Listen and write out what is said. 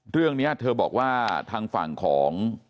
เรื่องนี้เธอบอกว่าทางฝั่งของ